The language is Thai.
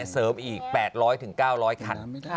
เสริมอีก๘๐๐๙๐๐คัน